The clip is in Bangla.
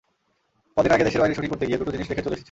কদিন আগে দেশের বাইরে শুটিং করতে গিয়ে দুটো জিনিস রেখে চলে এসেছি।